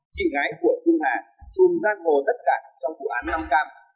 chị gái ruột dung hà trùm giang hồ đất cảng trong vụ án năm cam